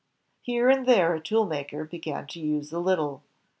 Here and there a toolmaker b^an to use a little.